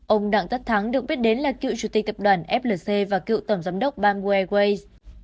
ông đặng tất thắng được biết đến là cựu chủ tịch tập đoàn flc và cựu tổng giám đốc bamboo airways